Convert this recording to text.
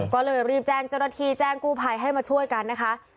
ก็เลยรีบแจ้งเจ้าหน้าที่แจ้งกู้ภัยให้มาช่วยกันนะคะ